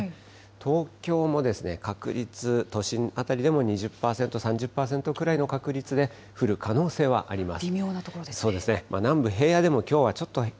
東京も確率、都心辺りでも２０％、３０％ぐらいの確率で降る可能性はあります。